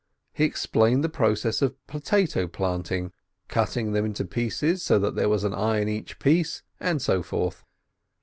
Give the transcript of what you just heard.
He explained the process of potato planting: cutting them into pieces so that there was an eye in each piece, and so forth.